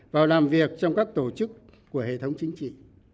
vào làm việc trong các tổ chức của hệ thống chính trị